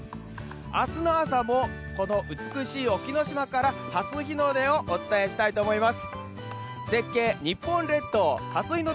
明日の朝もこの美しい沖ノ島から初日の出をお伝えしたいと思います。